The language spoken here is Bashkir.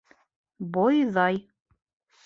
— Бойҙай.